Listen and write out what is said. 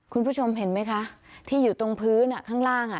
คุณผู้ชมเห็นไหมคะที่อยู่ตรงพื้นข้างล่าง